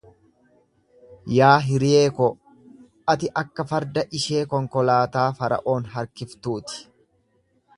Yaa hiriyee ko, ati akka farda ishee konkolaataa Fara'oon harkiftuuti;